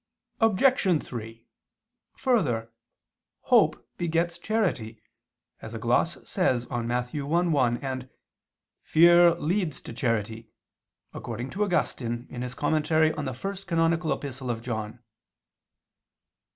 Obj. 3: Further, "hope begets charity" as a gloss says on Matt. 1:1, and "fear leads to charity," according to Augustine in his commentary on the First Canonical Epistle of John (In prim. canon. Joan.